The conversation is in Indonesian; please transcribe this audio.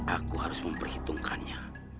aku harus memperhitungkannya